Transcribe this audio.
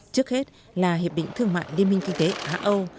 trước hết là hiệp định thương mại liên minh kinh tế á âu